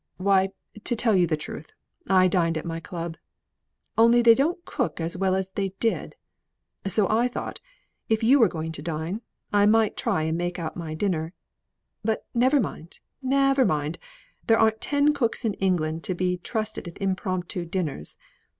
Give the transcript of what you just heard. "Why, to tell you the truth, I dined at my club. Only they don't cook as well as they did, so I thought, if you were going to dine, I might try and make out my dinner. But never mind, never mind! There aren't ten cooks in England to be trusted at impromptu dinners.